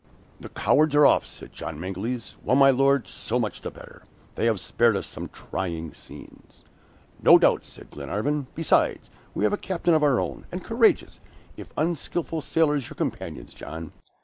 "The cowards are off!" said John Mangles. "Well, my Lord, so much the better. They have spared us some trying scenes." "No doubt," said Glenarvan; "besides we have a captain of our own, and courageous, if unskillful sailors, your companions, John.